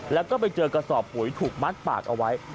แล้วก็ไปเจอกระสอบปุ๋ยถูกมัดปากเอาไว้